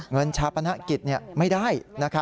เงินชาวประณะกิจไม่ได้